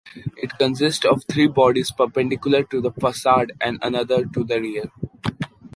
It consists of three bodies perpendicular to the facade and another to the rear.